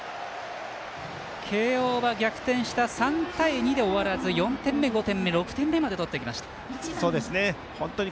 慶応は逆転した３対２で終わらず４点目、５点目、６点目まで取ってきました。